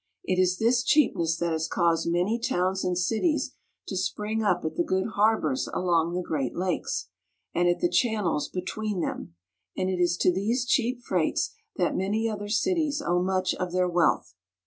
It is this cheapness that has caused many towns and cities to spring up at the good harbors along the Great Lakes, and at the channels between them, and it is to these cheap freights that many other cities owe much of their wealth.